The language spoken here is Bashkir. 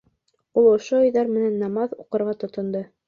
Ул ошо уйҙар менән намаҙ уҡырға тотондо.